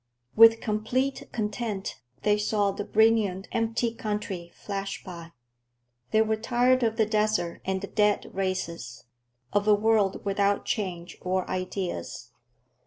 With complete content they saw the brilliant, empty country flash by. They were tired of the desert and the dead races, of a world without change or ideas.